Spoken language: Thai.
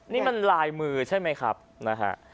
นี่มันลายมือใช่ไหมครับนะฮะ